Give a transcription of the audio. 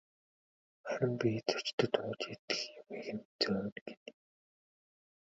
Харин би зочдод ууж идэх юмыг нь зөөнө гэнэ.